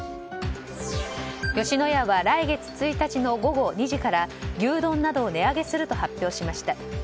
吉野家は来月１日の午後２時から牛丼などを値上げすると発表しました。